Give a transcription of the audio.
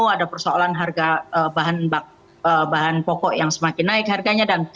ada persoalan harga bahan pokok yang semakin naik harganya